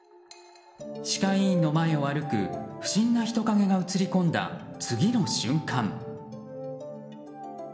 歯科医院の前を歩く不審な人影が映りこんだ次の瞬間。